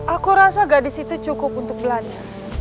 aku rasa gadis itu cukup untuk belanja